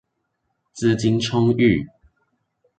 資金充裕